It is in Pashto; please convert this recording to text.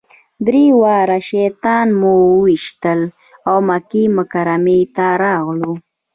درې واړه شیطانان مو وويشتل او مکې مکرمې ته راغلو.